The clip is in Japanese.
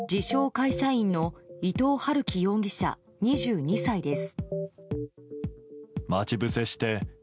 会社員の伊藤龍稀容疑者、２２歳です。